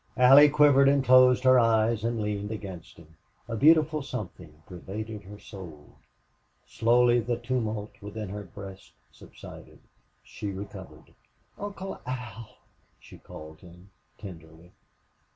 Allie quivered and closed her eyes and leaned against him. A beautiful something pervaded her soul. Slowly the tumult within her breast subsided. She recovered. "Uncle Al!" she called him, tenderly.